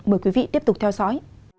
mời quý vị tiếp tục theo dõi